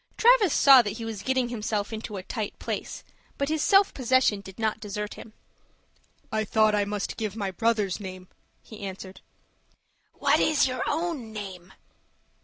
Travis saw that he was getting himself into a tight place; but his self possession did not desert him. "I thought I must give my brother's name," he answered. "What is your own name?"